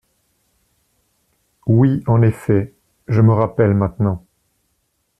Oui en effet, je me rappelle maintenant.